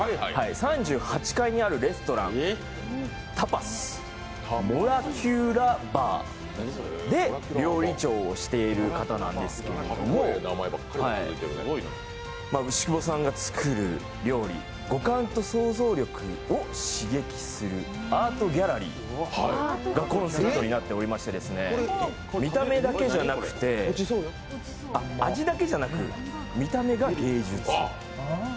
３８階にあるレストランタパスモラキュラーバーで料理長をしている方なんですけれども、牛窪さんが作る料理、五感と想像力を刺激するアートギャラリーがコンセプとになっておりまして味だけじゃなくて見た目が芸術。